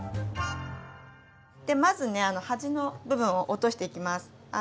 まずね端の部分を落としていきます。